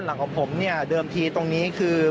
มาดูบรรจากาศมาดูความเคลื่อนไหวที่บริเวณหน้าสูตรการค้า